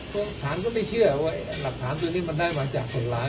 พี่สาวไม่เชื่อเหรอหลักฐานตัวนี้มันได้มาจากคนหลาย